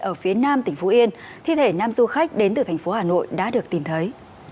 ở phía nam tỉnh phú yên thi thể nam du khách đến từ thành phố hà nội đã được tìm thấy